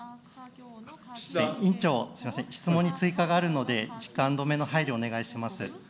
委員長、質問に追加があるので時間止めの配慮をお願いします。